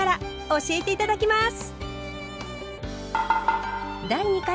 教えて頂きます。